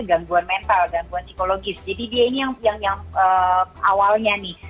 gangguan mental gangguan psikologis jadi dia ini yang awalnya nih